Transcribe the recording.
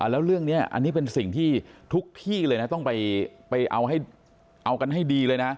แล้วเรื่องนี้อันนี้เป็นสิ่งที่ทุกที่เลยนะต้องไปเอากันให้ดีเลยนะ